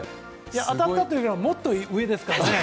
当たったというかもっと上ですからね。